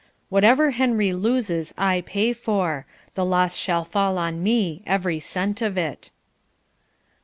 "Whatever Henry loses I pay for. The loss shall fall on me, every cent of it."